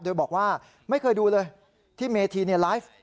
โดยบอกว่าไม่เคยดูเลยที่เมธีไลฟ์